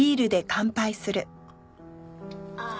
ああ。